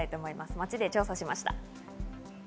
街中で調査しました。